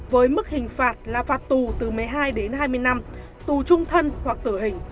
với mức hình phạt là phạt tù từ một mươi hai đến hai mươi năm tù trung thân hoặc tử hình